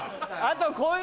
あと。